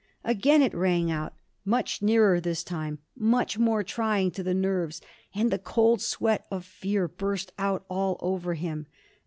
Again it rang out much nearer this time much more trying to the nerves, and the cold sweat of fear burst out all over him.